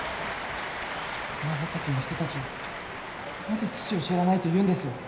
長崎の人たちはなぜ父を知らないと言うんです？